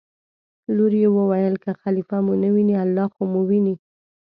لور یې وویل: که خلیفه مو نه ویني الله خو مو ویني.